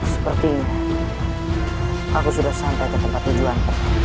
sepertinya aku sudah sampai ke tempat tujuanku